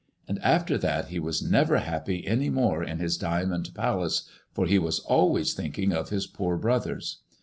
And after that he was never happy any more in his diamond palace, for he was always thinking of his poor brothers.